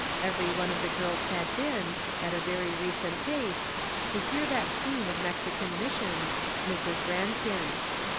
Every one of the girls had been, at a very recent date, to hear that queen of Mexican missions, Miss Rankin.